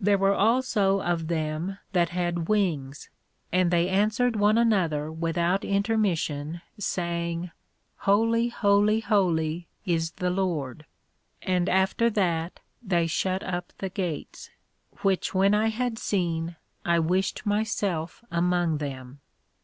There were also of them that had wings, and they answered one another without intermission, saying, Holy, Holy, Holy, is the Lord. And after that they shut up the Gates. Which when I had seen, I wished myself among them.